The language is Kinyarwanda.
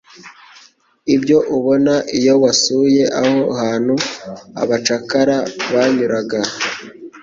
Ibyo ubona iyo wasuye aho hantu abacakara banyuraga,